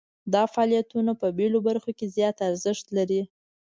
دا فعالیتونه په بیلو برخو کې زیات ارزښت لري.